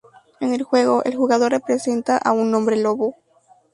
En el juego, el jugador representa a un hombre lobo.